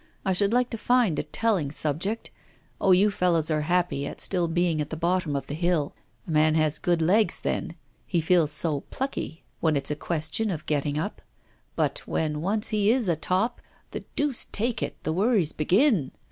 I should like to find a telling subject. Ah, you fellows are happy at still being at the bottom of the hill. A man has good legs then, he feels so plucky when it's a question of getting up. But when once he is a top, the deuce take it! the worries begin.